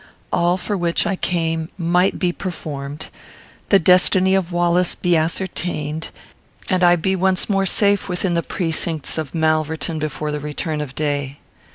All for which I came might be performed; the destiny of Wallace be ascertained; and I be once more safe within the precincts of Malverton before the return of day.